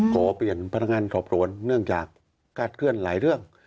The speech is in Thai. ขอเปลี่ยนพนักงานสอบสวนเนื่องจากคาดเคลื่อนหลายเรื่อง